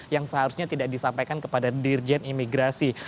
yang seharusnya tidak disampaikan kepada dirjen imigrasi